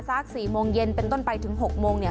สัก๔โมงเย็นเป็นต้นไปถึง๖โมงเนี่ย